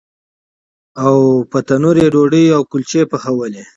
او په تنور یې ډوډۍ او کلچې پخولې.